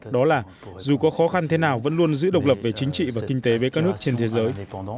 đó là dù có khó khăn thế nào vẫn luôn giữ độc lập về chính trị và kinh tế với các nước trên thế giới